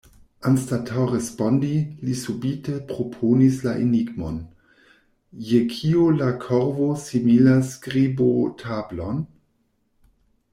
Anstataŭ respondi, li subite proponis la enigmon: "Je kio la korvo similas skribotablon?"